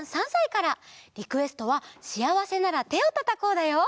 リクエストは「しあわせならてをたたこう」だよ。